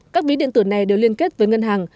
các ví điện tử này đều liên kết với ngân hàng